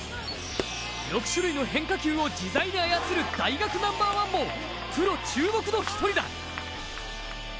６種類の変化球を自在に操る大学ナンバーワンもプロ注目の一人だ。